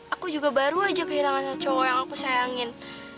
aku juga baru aja kehilangan cowok yang aku sayangin